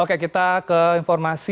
oke kita ke informasi